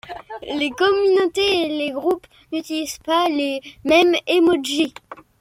Les communautés et les groupes n'utilisent pas les mêmes émojis.